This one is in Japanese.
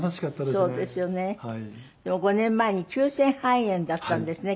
でも５年前に急性肺炎だったんですね